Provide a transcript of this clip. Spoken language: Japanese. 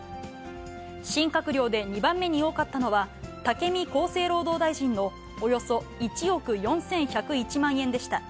新閣僚で２番目に多かったのは、武見厚生労働大臣のおよそ１億４１０１万円でした。